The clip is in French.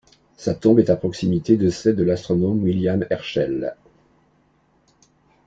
Sa tombe est à proximité de celle de l'astronome William Herschel.